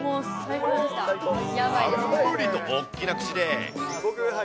たっぷりと大きな口で。